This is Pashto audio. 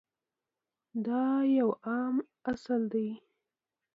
دا یو عام اصل دی.